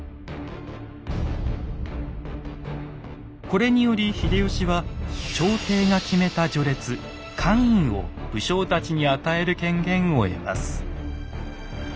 これにより秀吉は朝廷が決めた序列「官位」を武将たちに与える権限を得ます。